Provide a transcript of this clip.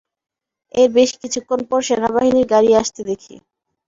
এর বেশ কিছুক্ষণ পর সেনাবাহিনীর গাড়ি আসতে দেখি।